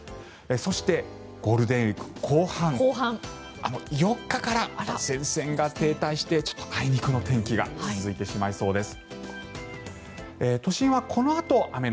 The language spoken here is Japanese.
そして、ゴールデンウィーク後半４日から前線が停滞してちょっとあいにくの天気が続いてしまいそうです。